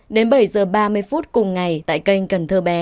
đến bảy giờ ba mươi phút cùng ngày tại kênh cần thơ bé